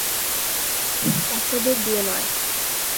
বাচ্চাদের দিয়ে নয়।